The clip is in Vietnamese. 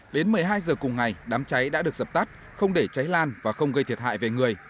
đến một mươi hai h cùng ngày đám cháy đã được dập tắt không để cháy lan và không gây thiệt hại về người